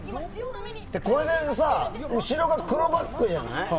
これがさ後ろが黒バックじゃない。